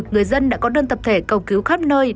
người dân đã có đơn tập thể cầu cứu khắp nơi